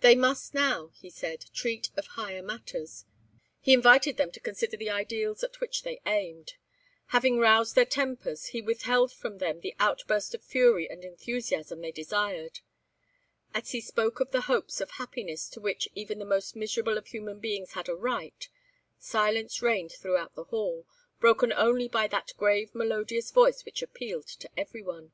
They must now, he said, treat of higher matters. He invited them to consider the ideals at which they aimed. Having roused their tempers, he withheld from them the outburst of fury and enthusiasm they desired. As he spoke of the hopes of happiness to which even the most miserable of human beings had a right, silence reigned throughout the hall, broken only by that grave melodious voice which appealed to everyone.